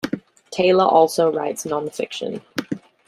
Taylor also writes nonfiction.